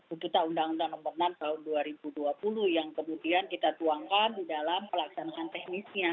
untuk membuatnya yang kemudian kita tuangkan di dalam pelaksanaan teknisnya